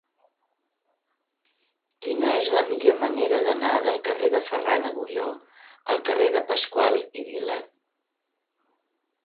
Quina és la millor manera d'anar del carrer de Ferran Agulló al carrer de Pascual i Vila?